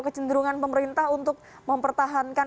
kecenderungan pemerintah untuk mempertahankan